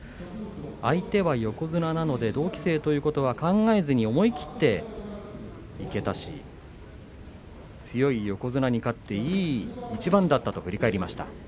相手は横綱なので同期生ということは考えずに思い切っていけたし強い横綱に勝っていい一番だったと振り返りました。